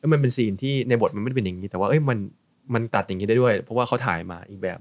มันเป็นซีนที่ในบทมันไม่ได้เป็นอย่างนี้แต่ว่ามันตัดอย่างนี้ได้ด้วยเพราะว่าเขาถ่ายมาอีกแบบ